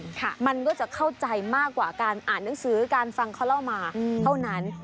มันก็จะเข้าใจมากกว่าการอ่านหนังสือการฟังเขาเล่ามาเท่านั้น